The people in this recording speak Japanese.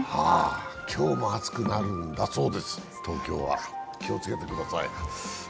今日も暑くなるんだそうです、東京は、気をつけてください。